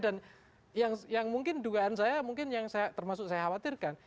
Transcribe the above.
dan yang mungkin dugaan saya mungkin yang termasuk saya khawatirkan